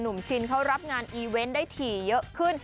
ชินเขารับงานอีเวนต์ได้ถี่เยอะขึ้น